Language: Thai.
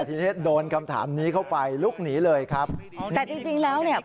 ทีนี้โดนคำถามนี้เข้าไปลุกหนีเลยครับแต่จริงจริงแล้วเนี่ย